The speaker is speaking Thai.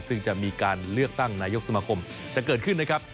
ซึ่งจะมีการเลือกตั้งนายกสมาคมจะเกิดขึ้นนะครับ